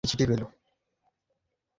তার প্রায় চার দিন পর নীলু একটি চিঠি পেল।